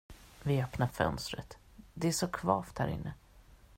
Vi öppnar fönstret, det är så kvavt härinne.